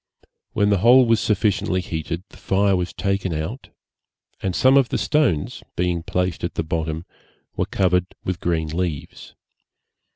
When the hole was sufficiently heated, the fire was taken out, and some of the stones, being placed at the bottom, were covered with green leaves.